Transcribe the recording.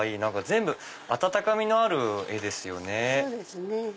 全部温かみのある絵ですよね。